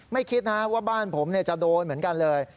ไม่คิดนะว่าบ้านผมจะโดนเหมือนกันเลย